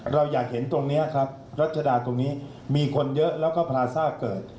เราอยากเห็นตรงนี้ครับรัชดาตรงนี้มีคนเยอะแล้วก็พลาซ่าเกิด